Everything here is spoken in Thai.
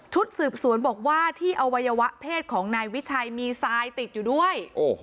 สืบสวนบอกว่าที่อวัยวะเพศของนายวิชัยมีทรายติดอยู่ด้วย